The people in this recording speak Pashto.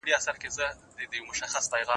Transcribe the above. کارکوونکي خپلې دندې د روژه ماتي وروسته ترسره کوي.